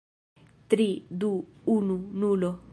Tri... du... unu... nulo